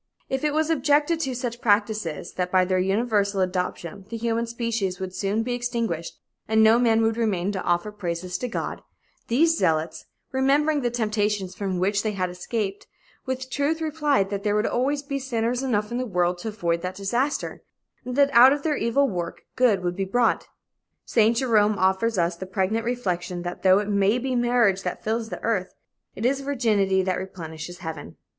If it was objected to such practices that by their universal adoption the human species would soon be extinguished and no man would remain to offer praises to God, these zealots, remembering the temptations from which they had escaped, with truth replied that there would always be sinners enough in the world to avoid that disaster, and that out of their evil work, good would be brought. Saint Jerome offers us the pregnant reflection that though it may be marriage that fills the earth, it is virginity that replenishes heaven."